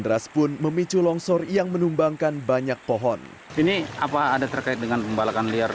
deras pun memicu longsor yang menumbangkan banyak pohon ini apa ada terkait dengan pembalakan liar